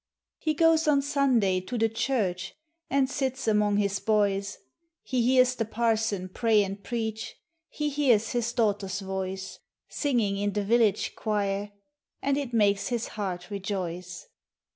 He goes on Sunday to the church, And sits among his boys; He hears the parson pray and preach; n« hears his daughter's voice, Singing in the village choir, And it makes his heart rejoice.